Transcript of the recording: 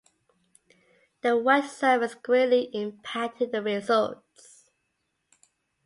The wet surface greatly impacted the results.